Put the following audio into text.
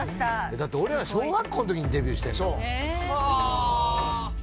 だって俺ら小学校のときにデビューして。